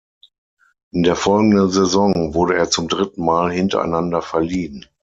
In der folgenden Saison wurde er zum dritten Mal hintereinander verliehen.